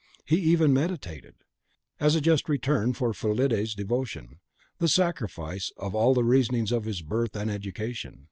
He even meditated, as a just return for Fillide's devotion, the sacrifice of all the reasonings of his birth and education.